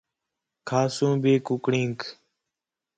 کھاسوں بھی کُکڑینک